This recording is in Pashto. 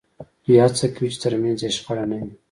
دوی هڅه کوي چې ترمنځ یې شخړه نه وي